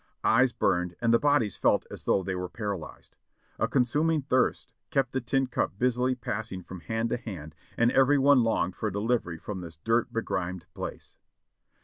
Eyes burned and the bodies felt as though they were paralyzed. A consuming thirst kept the tin cup busily passing from hand to hand and every one longed for deHvery from this dirt begrimed place.